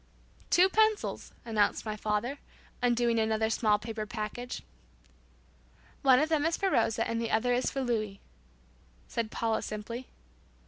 "Two pencils," announced my father, undoing another small paper package. "One of them is for Rosa and the other is for Louis," said Paula simply.